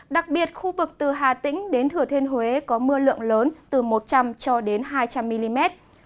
đặc biệt khu vực từ hà tĩnh đến thừa thiên huế có mưa lượng lớn từ một trăm linh cho đến hai trăm linh mm